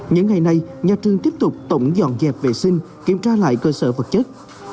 những ngày này nhà trường tiếp tục tổng dọn dẹp vệ sinh kiểm tra lại cơ sở vật chất